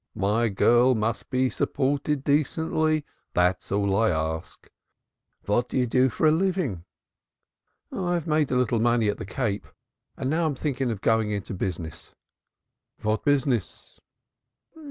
My girl must be supported decently that is all I ask. What do you do for a living?" "I have made a little money at the Cape and now I think of going into business." "What business?"